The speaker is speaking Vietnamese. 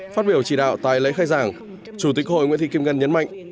phát biểu chỉ đạo tại lễ khai giảng chủ tịch hội nguyễn thị kim ngân nhấn mạnh